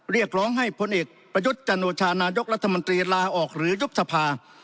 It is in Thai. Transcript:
เรียกร้องให้พลเอกประยุทธ์จันโอชานายกรัฐมนตรีลาออกหรือยุบสภา